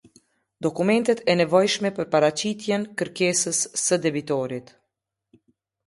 Dokumentet e nevojshme për paraqitjen kërkesës së debitorit.